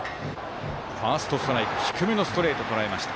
ファーストストライク低めのストレートをとらえました。